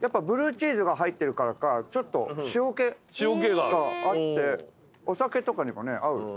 やっぱブルーチーズが入ってるからかちょっと塩気があってお酒とかにも合う。